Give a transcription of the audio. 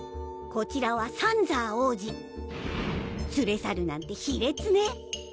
こちらはサンザー王子つれ去るなんて卑劣ね